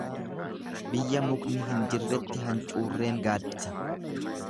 Biyya mukni hin jirretti hancurreen gaaddisa.